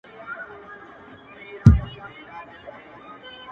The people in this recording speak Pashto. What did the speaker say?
• چي نه سیوری د رقیب وي نه اغیار په سترګو وینم-